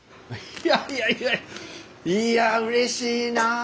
いやいやいやいやうれしいなあ。